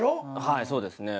はいそうですね。